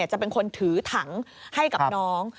จะเป็นคนถือถังให้กับน้อง